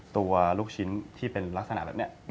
ลูกชิ้นที่เป็นลักษณะแบบนี้